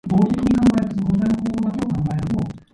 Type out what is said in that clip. It was located in the Dakota Territory at the time.